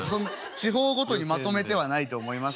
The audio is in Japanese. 地方ごとにまとめてはないと思いますけど。